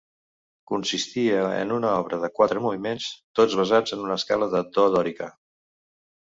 Consistia en una obra en quatre moviments, tots basats en una escala de do dòrica.